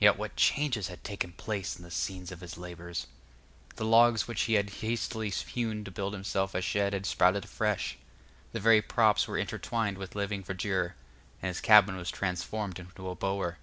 Yet what changes had taken place in the scene of his labors! The logs which he had hastily hewn to build himself a shed had sprouted afresh; the very props were intertwined with living verdure, and his cabin was transformed into a bower.